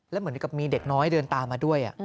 แล้วเหมือนกับมีเด็กน้อยเดินตามมาด้วย